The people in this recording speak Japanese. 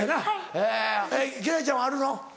えっ輝星ちゃんはあるの？